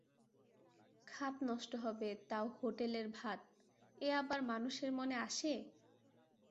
খাত নষ্ট হবে তাও হোটেলের ভাত, এ আবার মানুষের মনে আসে?